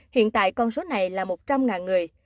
hiện tại con số này là một trăm linh người